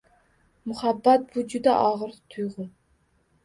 Muhabbat bu juda og‘ir tuyg‘u.